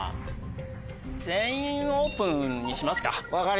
「全員オープン」にしますか！